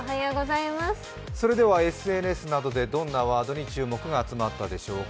それではＳＮＳなどでどんなワードに注目が集まったでしょうか。